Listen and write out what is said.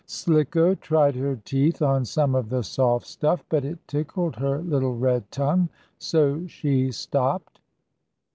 Slicko tried her teeth on some of the soft stuff, but it tickled her little red tongue, so she stopped.